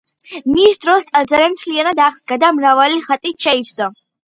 მის დროს ტაძარი მთლიანად აღსდგა და მრავალი ხატით შეივსო.